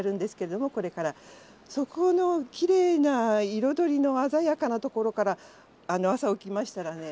そこのきれいな彩りの鮮やかなところから朝起きましたらね